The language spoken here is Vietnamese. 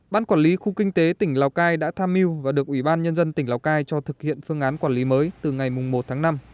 ban quản lý khu kinh tế tỉnh lào cai đã tham mưu và được ủy ban nhân dân tỉnh lào cai cho thực hiện phương án quản lý mới từ ngày một tháng năm